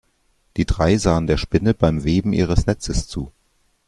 Die drei sahen der Spinne beim Weben ihres Netzes zu.